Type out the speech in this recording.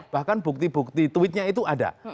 bahkan bukti bukti tweetnya itu ada